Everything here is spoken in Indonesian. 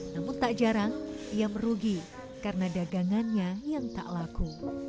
namun tak jarang ia merugi karena dagangannya yang tak laku